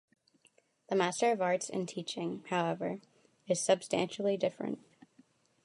The Master of Arts in Teaching, however, is substantially different.